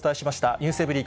ｎｅｗｓｅｖｅｒｙ．